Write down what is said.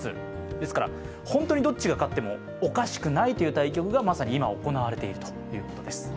ですから本当にどっちが勝ってもおかしくないという対局がまさに今、行われているということです。